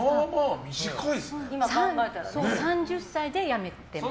３０歳で辞めてます。